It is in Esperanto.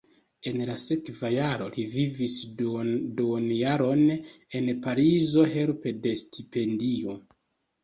En la sekva jaro li vivis duonjaron en Parizo helpe de stipendio.